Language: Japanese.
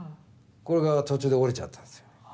これが途中で折れちゃったんですよ。